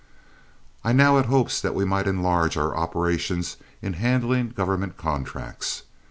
I now had hopes that we might enlarge our operations in handling government contracts.